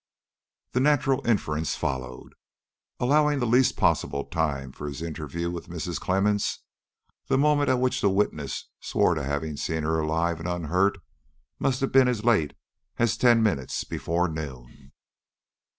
The natural inference followed. Allowing the least possible time for his interview with Mrs. Clemmens, the moment at which the witness swore to having seen her alive and unhurt must have been as late as ten minutes before noon.